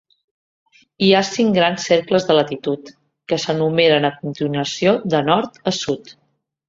Hi ha cinc grans cercles de latitud, que s'enumeren a continuació de nord a sud.